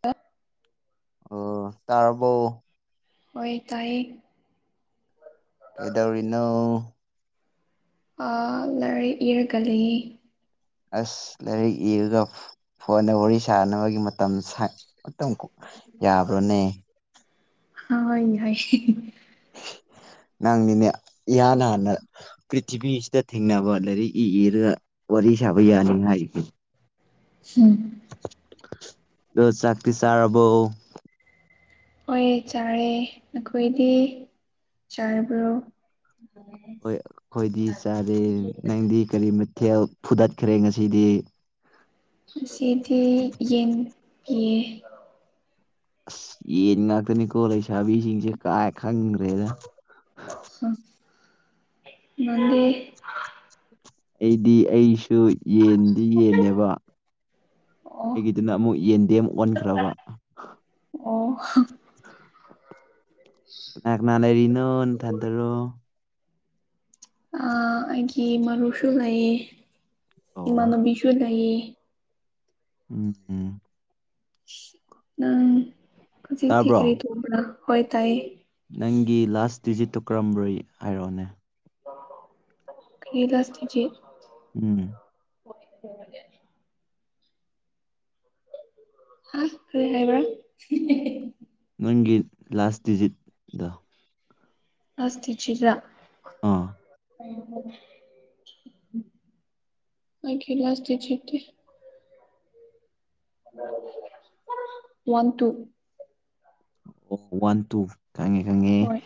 ꯇ ꯑꯣ ꯇꯥꯔꯔꯕꯧ ꯑꯣꯏ ꯇꯥꯏꯌꯦ ꯀꯩꯗꯧꯔꯤ ꯏꯅꯣ ꯑ ꯂꯥꯏꯔꯤꯡ ꯏꯔꯥꯒ ꯂꯩ ꯑꯁ ꯂꯥꯏꯔꯤꯛ ꯏꯔꯒ ꯐꯣꯟꯗ ꯋꯥꯔꯤ ꯁꯥꯟꯅꯕꯒꯤ ꯃꯇꯝ ꯃꯇꯝ ꯌꯥꯕ꯭ꯔꯣꯅꯦ ꯍ ꯍꯥꯏ ꯅꯪꯅꯤꯅꯦ ꯌꯥꯅꯅ ꯄ꯭ꯔꯤꯊꯤꯕꯤꯁꯤꯗ ꯊꯦꯡꯅꯕ ꯂꯥꯏꯔꯤꯛ ꯏ ꯏꯔꯒ ꯋꯥꯔꯤ ꯁꯥꯕ ꯌꯥꯅꯤꯉ ꯍꯥꯏ ꯎꯝ ꯑꯣ ꯆꯥꯛꯀꯤ ꯆꯥꯔꯕꯣ ꯍꯣꯏ ꯆꯥꯔꯦ ꯅꯈꯣꯏꯗꯤ ꯆꯥꯔꯕ꯭ꯔꯣ ꯍ ꯑꯩꯈꯣꯏꯗꯤ ꯆꯥꯔꯦ ꯅꯪꯗꯤ ꯀꯔꯤ ꯃꯊꯦꯜ ꯐꯨꯗꯠꯈ꯭ꯔꯦ ꯉꯁꯤꯗꯤ ꯑꯁꯤꯗꯤ ꯌꯦꯡ ꯑ ꯌꯦꯅꯤꯡ ꯉꯥꯛꯇꯅꯤ ꯀꯣꯂ ꯆꯥꯕꯤꯁꯤꯡꯁꯦ ꯀꯥꯏ ꯈꯪꯈ꯭ꯔꯦꯗ ꯅꯪꯗꯤ ꯑꯩꯗꯤ ꯑꯩꯁꯨ ꯌꯦꯟꯗꯤ ꯌꯦꯟꯅꯅꯦꯦꯕ ꯑꯣ ꯑꯩꯒꯤꯗꯨꯅ ꯑꯃꯨꯛ ꯌꯦꯟꯗꯦ ꯑꯃ ꯑꯣꯟꯈ꯭ꯔꯕ ꯑꯣ ꯉ ꯅ ꯂꯩꯔꯤꯅꯣ ꯊꯗꯔꯣ ꯑ ꯑꯩꯒꯤ ꯃꯔꯨꯁꯨ ꯂꯩꯌꯦ ꯑꯣ ꯏꯃꯥꯟꯅꯕꯤꯁꯨ ꯂꯩ [inaudible] [inaudible] ꯎꯝ ꯎꯝ ꯑꯪ ꯍꯧꯖꯤꯛ ꯊꯤ ꯈꯔꯤ ꯇꯥꯕ꯭ꯔꯣ ꯊꯣꯡꯕ꯭ꯔ ꯍꯣꯏ ꯇꯥꯏꯌꯦ ꯅꯪꯒꯤ ꯂꯥꯁ ꯗꯤꯖꯤꯠꯇꯨ ꯀꯔꯝꯕꯣꯏ ꯍꯥꯏꯔꯛꯑꯣꯅꯦ ꯏꯂꯁ ꯇꯆꯦ ꯎꯝ ꯍ ꯍꯦ ꯍꯥꯏꯥꯏꯕ [unintelligible] ꯅꯪꯒꯤ ꯂꯥꯁ ꯗꯤꯖꯤꯠꯗ ꯑꯁ ꯇꯆ꯭ꯔ ꯑꯥ ꯑꯩꯈꯂꯁꯇ ꯆꯇꯤ ꯋꯥꯟ ꯇꯨ ꯑꯣ ꯋꯥꯟ ꯇꯨ ꯈꯪꯉꯦ ꯈꯪꯉꯦ ꯍꯣꯏ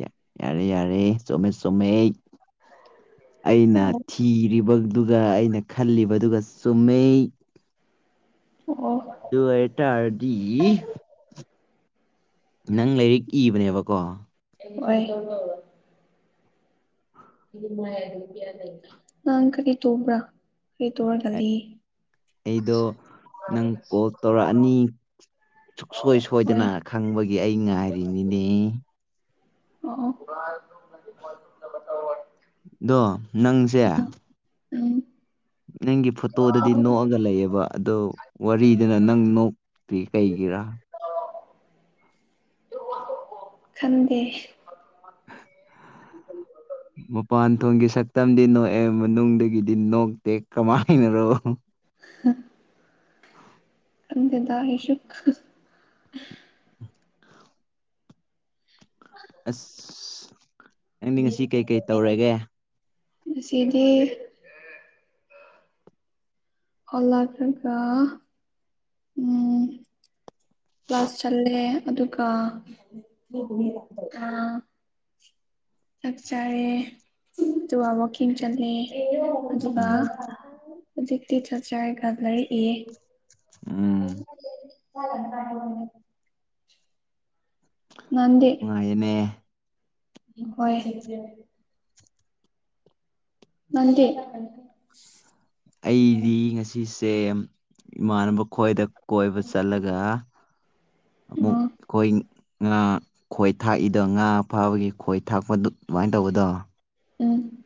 ꯌꯥꯏ ꯌꯥꯔꯦ ꯌꯥꯔꯦ ꯆꯨꯝꯃꯦ ꯆꯃꯦ ꯑꯩꯅ ꯑꯣ ꯊꯤꯔꯤꯕꯗꯨꯒ ꯑꯩꯅ ꯈꯜꯂꯤꯕꯗꯨꯒ ꯆꯨꯝꯃꯦ ꯑꯗꯨ ꯑꯦꯇꯥꯔꯗꯤ ꯅꯪ ꯂꯥꯏꯔꯤꯛ ꯏꯕꯅꯦꯕꯀꯣ ꯑꯣꯏ ꯅ ꯀꯔꯤ ꯇꯣꯡꯕ꯭ꯔ ꯀꯔꯤ ꯇꯣꯡꯕ꯭ꯔ ꯀꯜꯂꯤ ꯑꯩꯗꯣ ꯅꯪ ꯀꯣꯜ ꯇꯧꯔꯛꯑꯅꯤ ꯁꯨꯡꯁꯣꯏ ꯍꯣꯏ ꯁꯣꯏꯗꯅ ꯈꯪꯕꯒꯤ ꯑꯩ ꯉꯥꯏꯔꯤꯅꯤꯅꯦ [unintelligible] ꯑꯗꯣ ꯅꯪꯁꯦ ꯎꯝ ꯎꯝ ꯅꯪꯒꯤ ꯐꯣꯇꯣꯗꯗꯤ ꯅꯣꯛꯑꯒ ꯂꯩꯑꯦꯕ ꯑꯗꯣ ꯋꯥꯔꯤꯗꯨꯅ ꯅꯪ ꯀꯩꯒꯔꯥ ꯈꯟꯗꯦ ꯃꯄꯥꯟ ꯊꯣꯡꯒꯤ ꯁꯛꯇꯝꯗꯤ ꯅꯣꯛꯑꯦ ꯃꯅꯨꯡꯗꯒꯤꯗꯤ ꯅꯣꯛꯇꯦ ꯀꯃꯥꯏꯅꯔꯣ ꯍ ꯑꯗꯗꯏꯁꯨꯨ ꯑꯁ ꯅꯪꯗꯤ ꯉꯁꯤ ꯀꯩꯀꯩ ꯇꯧꯔꯒꯦ ꯑꯁꯤꯁꯤꯗꯤ ꯑꯣꯜ ꯈꯒ ꯎꯝ ꯀ꯭ꯂꯥꯁ ꯆꯠꯂꯦ ꯑꯗꯨꯒ ꯑ ꯆꯥꯛ ꯆꯥꯔꯦ ꯑꯗꯨꯒ ꯋꯥꯀꯤꯡ ꯆꯠꯂꯦ ꯑꯗꯨꯒ ꯎꯝ ꯍꯧꯖꯤꯛꯇꯤ ꯆꯠ ꯆꯔꯒ ꯂꯩꯔꯛꯏ ꯎꯝ ꯆꯂ ꯑꯑꯅꯦ ꯍꯣꯏ ꯅꯟꯦ ꯑꯩꯗꯤ ꯉꯁꯤꯁꯦ ꯏꯃꯥꯟꯅꯕ ꯈ꯭ꯋꯥꯏꯗ ꯀꯣꯏꯕ ꯆꯠꯂꯒ ꯑꯃꯨꯛ ꯑꯣ ꯑꯩꯈꯣꯏ ꯉꯥ ꯈꯣꯏ ꯊꯥꯛꯏꯗꯣ ꯉꯥ ꯐꯥꯕꯒꯤ ꯈꯣꯏ ꯊꯥꯛꯄꯗꯨ ꯑꯗꯨꯃꯥꯏꯅ ꯇꯧꯕꯗꯣ ꯎꯝ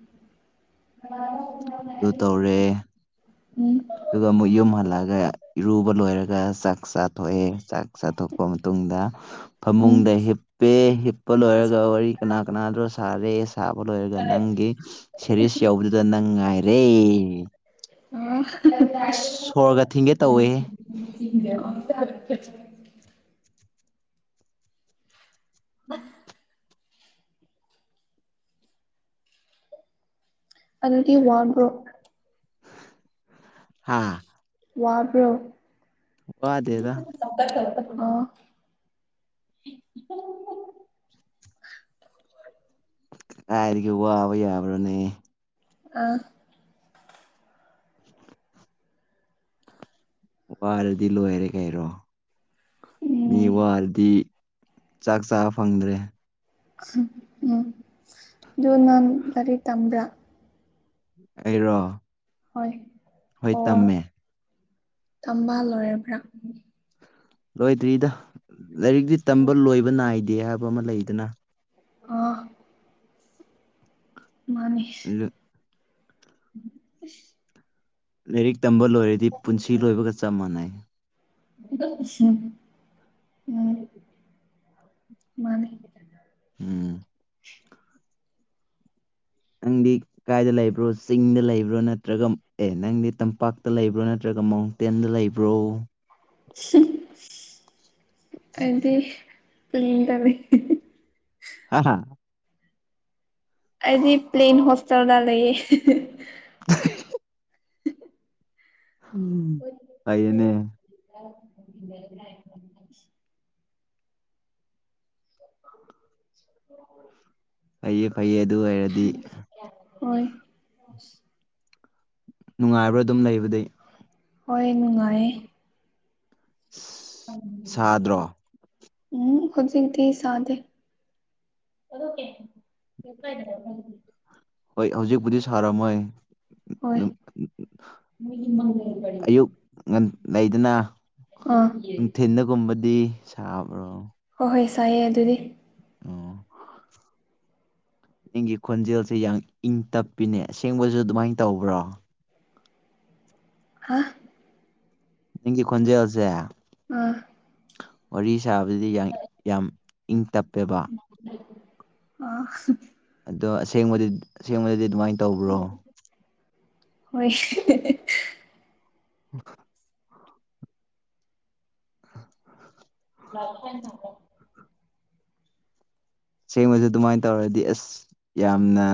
ꯑꯗꯨ ꯇꯧꯔꯦ ꯎꯝ ꯑꯗꯨꯒ ꯑꯃꯨꯛ ꯌꯨꯝ ꯍꯜꯂꯛꯑꯒ ꯏꯔꯨꯕ ꯂꯣꯏꯔꯒ ꯆꯥꯛ ꯆꯥꯊꯣꯛꯑꯦ ꯆꯥꯛ ꯆꯥꯊꯣꯛꯄ ꯃꯇꯨꯡꯗ ꯐꯃꯨꯡꯗ ꯎꯝ ꯍꯤꯞꯄꯦ ꯍꯤꯞꯄ ꯂꯣꯏꯔꯒ ꯋꯥꯔꯤ ꯀꯅꯥ ꯀꯅꯥ ꯗꯣ ꯁꯥꯔꯦ ꯁꯥꯕ ꯂꯣꯏꯔꯒ ꯅꯪꯒꯤ ꯁꯦꯔꯤꯁ ꯌꯧꯕꯗꯨꯗ ꯅꯪ ꯉꯥꯏꯔꯦ ꯑꯁ ꯁꯣꯔꯒ ꯊꯤꯡꯒꯦ ꯇꯧꯋꯦꯍꯦ [inaudible] [unintelligible] ꯑ ꯑꯗꯨꯗꯤ ꯋꯥꯟ꯭ꯔꯣ ꯑꯥ ꯋꯥꯕ꯭ꯔꯣ ꯋꯥꯗꯦꯗ ꯑꯣ ꯀꯥꯏꯔꯤꯒꯦ ꯋꯥꯕ ꯌꯥꯕ꯭ꯔꯣꯅꯦ ꯑ [inaudible] ꯋꯥꯔꯗꯤ ꯂꯣꯏꯔꯦ ꯀꯩꯔꯣ ꯃꯤ ꯎꯝ ꯋꯥꯔꯗꯤ ꯆꯥꯛ ꯆꯥꯕ ꯐꯪꯗ꯭ꯔꯦ ꯎꯝ ꯑꯗꯨ ꯅꯪ ꯂꯥꯏꯔꯤꯛ ꯇꯝꯕ꯭ꯔꯥ ꯑꯩꯔꯣ ꯍꯣꯏ ꯍꯣꯏ ꯑꯣ ꯇꯝꯃꯦ ꯇꯝꯕ ꯂꯣꯏꯔꯕ꯭ꯔꯥ ꯂꯣꯏꯗ꯭ꯔꯤꯗ ꯂꯥꯏꯔꯤꯛꯇꯤ ꯇꯝꯕ ꯂꯣꯏꯕ ꯅꯥꯏꯗꯦ ꯍꯥꯏꯕ ꯑꯃ ꯂꯩꯗꯅ ꯑꯥ ꯃꯥꯅꯤꯁ ꯑꯗꯨ [inaudible] ꯂꯥꯏꯔꯤꯛ ꯇꯝꯕ ꯂꯣꯏꯔꯗꯤ ꯄꯨꯟꯁꯤ ꯂꯣꯏꯕꯒ ꯆꯞ ꯃꯥꯟꯅꯩ ꯃꯥꯅꯤ ꯎꯝ [inaudible] ꯅꯪꯗꯤ ꯀꯥꯏꯗ ꯂꯩꯕ꯭ꯔꯣ ꯆꯤꯡꯗ ꯂꯩꯕ꯭ꯔꯣ ꯅꯠꯇ꯭ꯔꯒ ꯑꯦ ꯅꯪꯗꯤ ꯇꯝꯄꯥꯛ ꯇ ꯂꯩꯕ꯭ꯔꯣ ꯅꯠꯇ꯭ꯔꯒ ꯃꯥꯎꯟꯇꯦꯟꯗ ꯂꯩꯕ꯭ꯔꯣ ꯑꯩꯗꯤ ꯇꯨꯔꯦꯜ ꯗ ꯂꯩꯒꯦ ꯍꯥ ꯍ ꯑꯩꯗꯤ ꯄ꯭ꯂꯦꯟ ꯍꯣꯁꯇꯦꯜꯗ ꯂꯩꯌꯦ ꯑ [inaudible] ꯇꯌꯦꯅꯦ [inaudible] ꯎ [inaudible] ꯐꯩꯌꯦ ꯐꯩꯌꯦ ꯑꯗꯨ ꯑꯣꯏꯔꯗꯤ ꯍꯣꯏ ꯅꯨꯡꯉꯥꯏꯕ꯭ꯔꯥ ꯑꯗꯨꯝ ꯂꯩꯕꯗꯤ ꯍꯣꯏ ꯅꯨꯡꯉꯥꯏꯌꯦ ꯁꯥꯗ꯭ꯔꯣ ꯎꯝ ꯍꯧꯖꯤꯛꯇꯤ ꯁꯥꯗꯦ ꯑꯣ ꯀꯦ ꯍꯣꯏ ꯍꯧꯖꯤꯛꯄꯨꯗꯤ ꯁꯥꯔꯝꯃꯣꯏ ꯍꯣꯏ ꯑꯗꯨꯝ ꯃꯣꯏꯒꯤ ꯃꯒꯔ ꯑꯌꯨꯛ ꯉꯟ ꯂꯩꯗꯅ ꯅꯨꯡꯊꯤꯟꯗꯒꯨꯝꯕꯗꯤ ꯁꯥꯕ꯭ꯔꯣ ꯑꯍꯣꯏ ꯁꯥꯏꯌꯦ ꯑꯗꯨꯗꯤ ꯑꯣ ꯅꯪꯒꯤ ꯈꯣꯟꯖꯦꯜꯁꯦ ꯌꯥꯡ ꯏꯪ ꯇꯞꯄꯤꯅꯦ ꯑꯁꯦꯡꯕꯁꯨ ꯑꯗꯨꯃꯥꯏꯅ ꯇꯧꯕ꯭ꯔꯣ ꯍꯥ ꯅꯪꯒꯤ ꯈꯣꯟꯖꯦꯜꯁꯦ ꯑꯥ ꯋꯥꯔꯤ ꯁꯥꯕꯗꯗꯤ ꯌꯥꯡ ꯌꯥꯝ ꯏꯪ ꯇꯞꯄꯦꯕ ꯑꯥ ꯑꯗꯣ ꯑꯁꯦꯡꯕꯗꯤ ꯑꯁꯦꯡꯕꯗꯗꯤ ꯑꯗꯨꯃꯥꯏꯅ ꯇꯧꯕ꯭ꯔꯣ ꯍꯣꯏ [inaudible] [unintelligible] ꯁꯦꯡꯕꯁꯨ ꯑꯗꯨꯃꯥꯏ ꯇꯧꯔꯗꯤ ꯑꯁ ꯌꯥꯝꯅ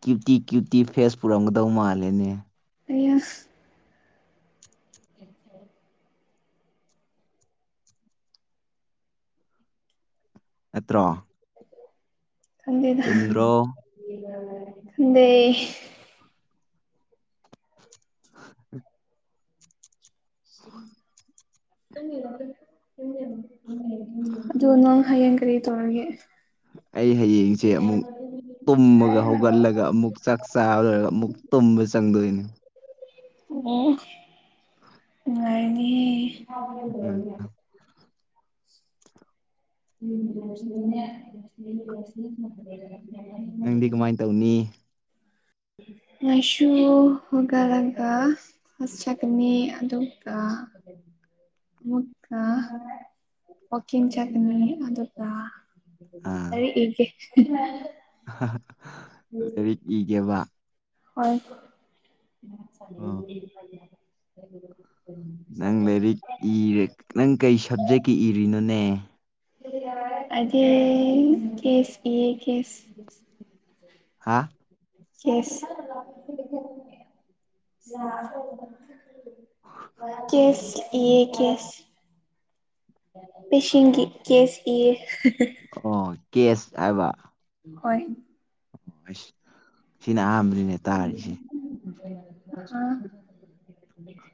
ꯀ꯭ꯌꯨꯇꯤ ꯀ꯭ꯌꯨꯇꯤ ꯐꯦꯁ ꯄꯨꯔꯝꯒꯗꯧ ꯃꯥꯜꯂꯦꯅꯦ ꯑꯌꯥ ꯑꯦꯠꯇ꯭ꯔꯣ ꯈꯟꯗꯦ ꯈꯟꯗꯦ ꯗ [inaudible] ꯎ ꯑꯗꯨ ꯅꯪ ꯍꯌꯦꯡ ꯀꯔꯤ ꯇꯧꯔꯒꯦ ꯑꯩ ꯍꯌꯦꯡꯖꯦ ꯑꯃꯨꯛ ꯇꯨꯝꯃꯒ ꯍꯧꯒꯠꯂꯒ ꯑꯃꯨꯛ ꯆꯥꯛ ꯆꯥ ꯂꯣꯏꯔꯒ ꯑꯃꯨꯛ ꯇꯨꯝꯕ ꯆꯪꯗꯣꯏꯅꯦ ꯑꯣ ꯎꯝ ꯅꯨꯉꯥꯏꯔꯦꯅꯦ [unintelligible] ꯅꯪꯗꯤ ꯀꯃꯥꯏ ꯇꯧꯅꯤ ꯃꯥꯏꯁꯨ ꯍꯧꯒꯠꯂꯒ ꯀ꯭ꯂꯥꯁ ꯆꯠꯀꯅꯤ ꯑꯗꯨꯒ [inaudible] ꯑꯃꯨꯛꯀ ꯋꯥꯀꯤꯡ ꯆꯠꯀꯅꯤ ꯑꯗꯨꯒ ꯂꯥꯢꯔꯤꯛ ꯢꯒꯦ ꯂꯩꯥꯢꯔꯤꯛ ꯢꯒꯦꯕ ꯍꯣꯢ ꯑꯥ ꯅꯪ ꯂꯥꯏꯔꯤꯛ ꯏꯔꯦ ꯅꯪ ꯀꯩ ꯁꯕꯖꯦꯛꯀꯤ ꯏꯔꯤꯅꯣꯅꯦ ꯑꯩꯗꯤ ꯀꯦꯁ ꯏꯌꯦ ꯀꯦꯁ ꯍꯥꯥ ꯀꯦꯁ ꯀꯦꯁ ꯢꯌꯦ ꯀꯦꯁ ꯄꯦꯁꯦꯟꯒꯤ ꯀꯦꯁ ꯏꯌꯦ ꯑꯣ ꯀꯦꯁ ꯍꯥꯏꯕ ꯍꯣꯏ ꯑꯣ ꯑꯩꯁ ꯁꯤꯅ ꯑꯍꯥꯥꯟꯕꯅꯤꯅꯦ ꯇꯥꯔꯤꯁꯦ ꯑꯥ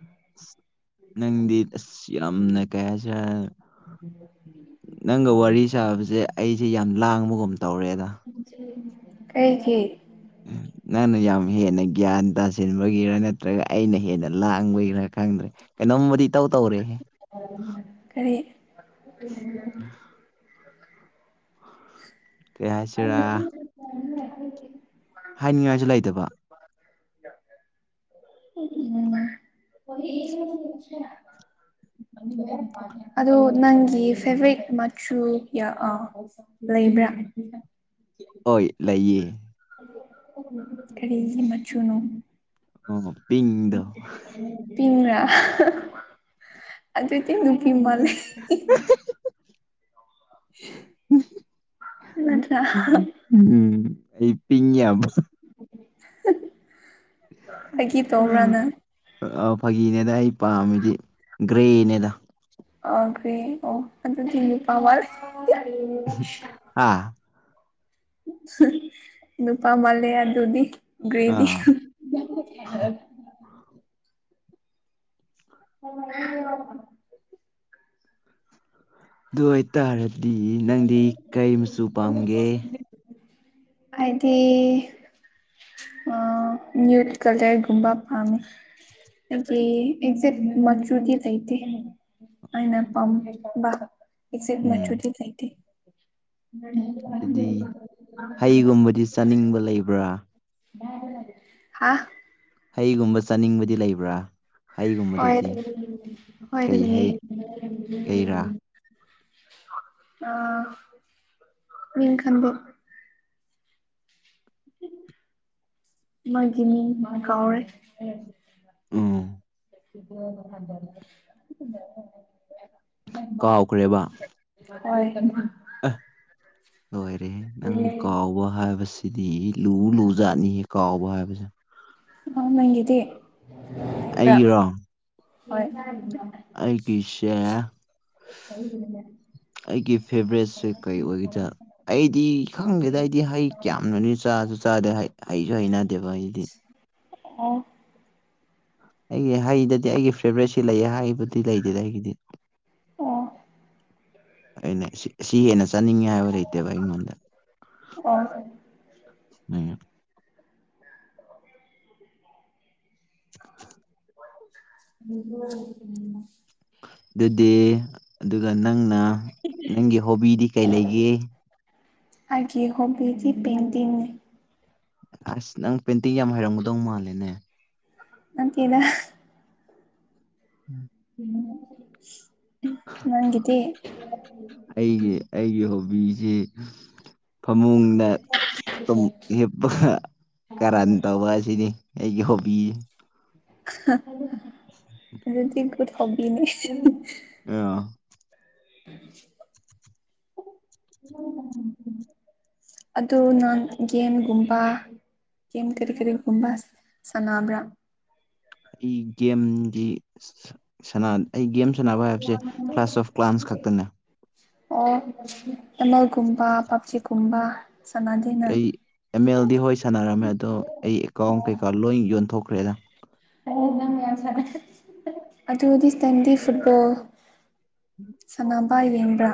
ꯅꯪꯗꯤ ꯑꯁ ꯌꯥꯝꯝꯅ ꯀꯩ ꯍꯥꯢꯁꯤꯔꯥ ꯅꯪꯒ ꯋꯥꯔꯤ ꯁꯥꯕꯁꯦ ꯑꯩꯁꯦ ꯌꯥꯝ ꯂꯥꯡꯕꯒꯨꯝ ꯇꯧꯔꯦꯗ ꯀꯩꯒꯤ ꯅꯪꯅ ꯌꯥꯝ ꯍꯦꯟꯅ ꯒ꯭ꯌꯥꯟ ꯇꯥꯁꯤꯟꯕꯒꯤꯔ ꯅꯠꯇ꯭ꯔꯒ ꯑꯩꯅ ꯍꯦꯟꯅ ꯂꯥꯡꯕꯒꯤꯔ ꯈꯪꯗ꯭ꯔꯦ ꯀꯩꯅꯣꯝꯕꯨꯗꯤ ꯏꯇꯧ ꯇꯧꯔꯦꯍꯦ ꯀꯔꯤ [inaudible] ꯀꯩ ꯍꯥꯏꯁꯤꯔꯥ ꯍꯥꯏꯅꯤꯡꯉꯥꯏꯁꯨ ꯂꯩꯇꯕ ꯎꯝ ꯑꯣ ꯅꯪꯒꯤ ꯐꯦꯚꯔꯤꯠ ꯃꯆꯨ ꯂꯩꯕ꯭ꯔꯥ ꯍꯣꯏ ꯂꯩꯌꯦ ꯀꯔꯤ ꯃꯆꯨꯅꯣ ꯑꯣ ꯄꯤꯡꯗꯣ ꯇꯤꯟꯉ ꯑꯗꯨꯏꯗꯤ ꯅꯨꯄꯤ ꯃꯥꯜꯂꯦ [unintelligible] ꯅꯠꯇ꯭ꯔꯥ ꯎꯝ ꯑꯩ ꯄꯤꯉꯌꯥꯕ ꯑꯩꯒꯤ ꯇꯧꯕ꯭ꯔꯥꯅ ꯐꯥꯒꯤꯅꯦꯗ ꯑꯩ ꯄꯥꯝꯃꯤꯗꯤ ꯒ꯭ꯔꯦꯅꯦꯗ ꯑꯈꯦ ꯑꯣ ꯑꯗꯨ ꯊ ꯅꯨꯄꯥꯋꯥꯁ ꯑꯥ ꯅꯨꯄꯥ ꯃꯥꯂꯦ ꯑꯗꯨꯗꯤ ꯒ꯭ꯔꯔꯤꯗꯤ ꯑꯥ [unintelligible] ꯑꯗꯨ ꯑꯣꯏꯇꯥꯔꯗꯤ ꯅꯪꯗꯤ ꯀꯔꯤ ꯃꯆꯨ ꯄꯥꯝꯒꯦ ꯑꯥꯏꯗꯤ ꯅ꯭ꯌꯨꯠ ꯀꯂꯔꯒꯨꯝꯕ ꯄꯥꯝꯃꯦ ꯑꯗꯒꯤ ꯑꯦꯛꯖꯦꯛ ꯃꯆꯨꯗꯤ ꯀꯩꯇ ꯑꯩꯅ ꯄꯝꯕ ꯑꯦꯛꯖꯦꯛ ꯎꯝ ꯃꯆꯨꯗꯤ ꯂꯩꯥꯇꯦ ꯑꯗꯨꯗꯤ ꯍꯩꯒꯨꯝꯕꯗꯤ ꯆꯥꯅꯤꯡꯕ ꯂꯩꯕ꯭ꯔꯥ ꯍꯥꯥ ꯍꯩꯒꯨꯝꯕ ꯆꯥꯅꯤꯡꯕꯗꯤ ꯂꯩꯕ꯭ꯔꯥ ꯍꯣꯏ ꯍꯩꯒꯨꯝꯕꯗꯗꯤ ꯍꯣꯏ ꯑꯗꯨ ꯀꯩ ꯍꯩ ꯀꯩꯔꯥ ꯑ ꯏꯈꯥꯟꯗ ꯃꯥꯒꯤꯅꯤ ꯃꯥ ꯀꯥꯎꯔꯦ ꯎꯝ ꯏꯗꯤ ꯀꯗꯔ ꯍ ꯑ ꯂꯣꯏꯔꯦ ꯅꯪ ꯀꯥꯎꯕ ꯍꯥꯏꯕꯁꯦ ꯁꯤꯗꯤ ꯂꯨ ꯂꯨꯖꯥꯠꯅꯤꯍꯦ ꯀꯥꯎꯕ ꯍꯥꯏꯕꯁꯦ ꯍ ꯅꯪꯒꯗꯤꯦ ꯑꯩꯔꯣ ꯍꯣꯏ ꯑꯩꯒꯤ ꯁꯦ ꯑꯩꯒꯤ ꯐꯦꯕꯔꯦꯠꯁꯦ ꯀꯩ ꯑꯣꯏꯒꯦꯗ ꯑꯩꯗꯤ ꯈꯪꯒꯦꯗꯏꯗꯤ ꯍꯩ ꯀꯌꯥꯝꯅꯅꯤ ꯆꯥꯁꯨ ꯆꯥꯗꯦ ꯍꯩ ꯑꯩꯁꯨ ꯍꯩꯅꯗꯦꯕ ꯑꯩꯗꯤ ꯑꯣ ꯑꯩꯒꯤ ꯍꯩꯗꯗꯤ ꯑꯩꯒꯤ ꯐꯦꯕꯔꯥꯏꯠꯁꯤ ꯂꯩꯌꯦ ꯍꯥꯏꯕꯨꯗꯤ ꯂꯩꯗꯦꯗ ꯑꯩꯒꯤꯗꯤ ꯑꯣ ꯑꯅꯦ ꯁꯤ ꯍꯦꯟꯅ ꯆꯠꯅꯤꯡꯉꯦ ꯍꯥꯏꯕ ꯂꯩꯇꯦꯕꯚ ꯑꯩꯉꯣꯟꯗ ꯎ [unintelligible] [unintelligible] ꯑꯗꯨꯗꯤ ꯑꯗꯨꯒ ꯅꯪꯅ ꯅꯪꯒꯤ ꯍꯣꯕꯤꯗꯤ ꯀꯩ ꯂꯩꯒꯦ ꯑꯩꯒꯤ ꯍꯣꯕꯤꯗꯤ ꯄꯦꯟꯟꯇꯤꯡꯅꯤ ꯑꯁ ꯅꯪ ꯄꯦꯟꯇꯤꯡ ꯌꯥꯝ ꯍꯩꯔꯝꯒꯗꯧ ꯃꯥꯜꯂꯦꯅꯦ ꯅꯠꯇꯗ ꯎ ꯑꯩꯒꯤ ꯑꯩꯒꯤ ꯍꯣꯕꯤꯁꯤ ꯐꯃꯨꯡꯗ ꯍꯤꯞꯄꯒ ꯀꯔꯟ ꯇꯧꯕ ꯑꯁꯤꯅꯤ ꯑꯩꯒꯤ ꯍꯣꯕꯤ ꯑꯗꯨꯗꯤ ꯀꯠ ꯍꯕꯤꯅꯤ ꯑ ꯏ ꯑꯗꯨꯗ ꯅꯥꯟ ꯒꯦꯟꯒꯨꯝꯕ ꯒꯦꯝ ꯀꯔꯤ ꯀꯔꯤꯒꯨꯝꯕ ꯁꯥꯟꯅꯕ꯭ꯔꯥ ꯑꯩ ꯒꯦꯝꯒꯤ ꯁ ꯑꯩ ꯒꯦꯝ ꯁꯥꯟꯅꯕ ꯍꯥꯏꯕꯁꯦ ꯀ꯭ꯂꯥꯁ ꯑꯣꯐ ꯀ꯭ꯂꯥꯟꯁ ꯈꯛꯇꯅꯦ ꯑꯣ ꯇꯃꯜꯒꯨꯝꯕ ꯄꯞꯖꯤꯒꯨꯝꯕ ꯁꯥꯟꯅꯗꯦ ꯅꯪ ꯑꯩ ꯑꯦꯝ ꯑꯦꯜꯗꯤ ꯍꯣꯏ ꯁꯥꯟꯅꯔꯝꯃꯦ ꯑꯗꯣ ꯑꯩ ꯑꯦꯀꯥꯎꯟ ꯀꯩꯀꯥ ꯂꯣꯏ ꯌꯣꯟꯊꯣꯛꯈ꯭ꯔ ꯐꯦꯗ ꯑ ꯍꯧꯗꯤ ꯁꯗꯤ ꯐꯨꯠꯕꯣꯜ ꯁꯅꯥꯄꯥ ꯌꯦꯡꯕ꯭ꯔꯥ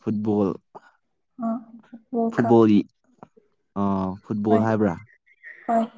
ꯐꯨꯠꯕꯣꯜ ꯑꯣ ꯐꯨꯠꯕꯣꯜꯗꯤ ꯑꯥ ꯍꯣꯏ ꯐꯨꯠꯕꯣꯜ ꯍꯥꯏꯕ꯭ꯔꯥ ꯍꯣꯏ